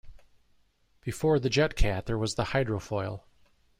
Before the JetCat there was the hydrofoil.